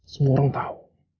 semua orang tahu